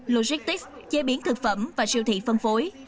logistics chế biến thực phẩm và siêu thị phân phối